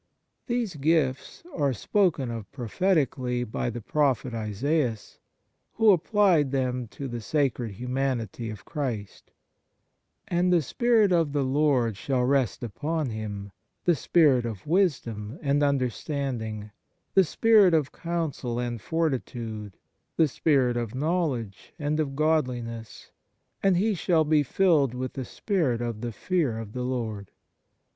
These gifts are spoken of prophetically by the prophet Isaias, who applied them to the sacred humanity of Christ: " And the Spirit of the Lord shall rest upon Him ; the spirit of wisdom and understanding, the spirit of counsel and fortitude, the spirit of knowledge and of godliness, and He shall be filled with the spirit of the fear of the Lord."